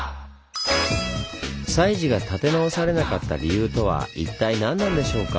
西寺が建て直されなかった理由とは一体何なんでしょうか？